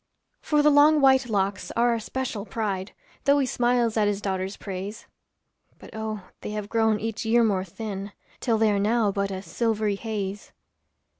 For the long white locks are our special pride, Though he smiles at his daughter's praise; But, oh, they have grown each year more thin, Till they are now but a silvery haze.